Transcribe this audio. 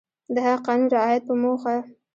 د هغه قانون رعایت په موخه